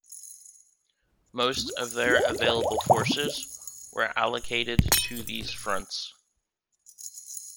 Most of their available forces were allocated to these fronts.